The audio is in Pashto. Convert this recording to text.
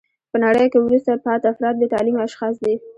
په نړۍ کښي وروسته پاته افراد بې تعلیمه اشخاص دي.